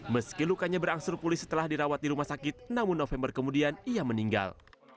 meski lukanya berangsur pulih setelah dirawat di rumah sakit namun november kemudian ia meninggal